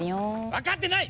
分かってない！